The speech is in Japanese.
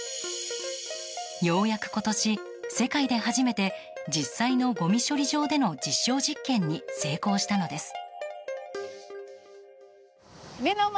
ようやく今年、世界で初めて実際のごみ処理場での実証実験に成功したのです。